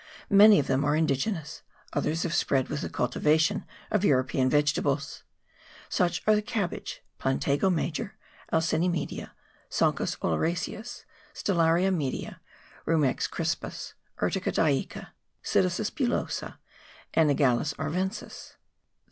Many of them are indigenous, others have spread with the cultivation of European vegetables. Such are the cabbage, Plantago major, Alsine media, Sonchus oleraceous, Stellaria media, Rumex crispus, Urtica dioica, Cytisus bullosa, Anagallis arvensis.